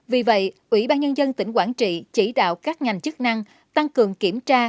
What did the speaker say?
vì vậy ủy ban nhân dân tỉnh quảng trị chỉ đạo các ngành chức năng tăng cường kiểm tra